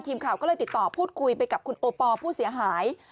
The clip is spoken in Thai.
ทีมข่าวก็เลยติดต่อพูดคุยไปกับคุณโอปอลผู้เสียหาย